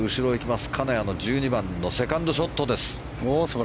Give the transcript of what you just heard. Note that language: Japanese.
１２番、金谷のセカンドショットです。